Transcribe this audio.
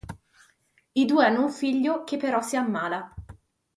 I due hanno un figlio che però si ammala.